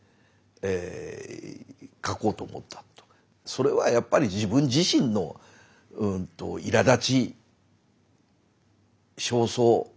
それはやっぱり自分自身のいらだち焦燥